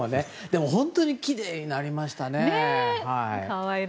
でも本当にきれいになりましたね。